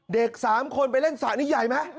เด็ก๓คนไปเล่นสระนี้ใหญ่ไหม